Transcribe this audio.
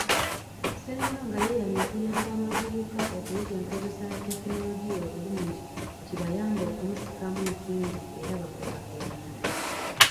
Ssenyonga yeeyamye okuyamba abavubuka okuyiga enkozesa ya tekinologiya obulungi, kibayambe okumusikamu ensimbi era bakukulaakulana.